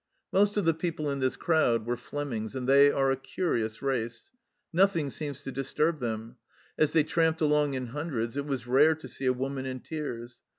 Most of the people in this crowd were Flem ings, and they are a curious race. Nothing seems to disturb them. As they tramped along in hundreds it was rare to see a woman in tears.